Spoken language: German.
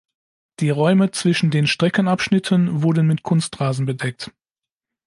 Die Räume zwischen den Streckenabschnitten wurden mit Kunstrasen bedeckt.